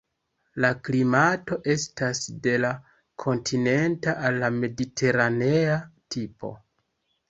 La klimato estas de la kontinenta al la mediteranea tipo.